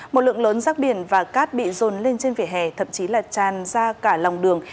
một lượng lớn rác biển và cát bị dồn lên trên vỉa hè thậm chí là tràn ra cả lòng đường